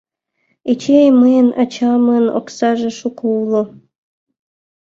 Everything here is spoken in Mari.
Эчей, мыйын ачамын оксаже шуко уло.